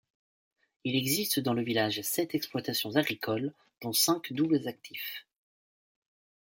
Il existe dans le village sept exploitations agricoles dont cinq doubles actifs.